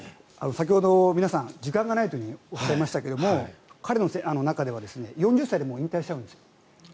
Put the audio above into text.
先ほど皆さん時間がないとおっしゃいましたけど彼の中では４０歳でもう引退しちゃうんですよ。